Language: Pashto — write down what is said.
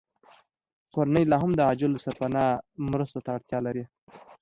کورنۍ لاهم د عاجلو سرپناه مرستو ته اړتیا لري